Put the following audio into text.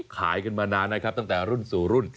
ขายกันมานานนะครับตั้งแต่รุ่นสู่รุ่น